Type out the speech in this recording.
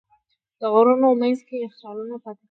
د غرونو منځ کې یخچالونه پاتې کېږي.